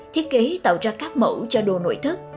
thiết kế tạo ra các mẫu cho đồ nội thất